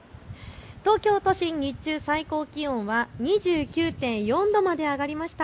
東京都心、日中、最高気温は２９．４度まで上がりました。